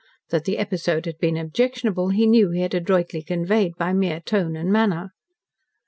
That the episode had been objectionable, he knew he had adroitly conveyed by mere tone and manner.